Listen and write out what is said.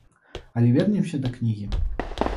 Але вернемся да кнігі.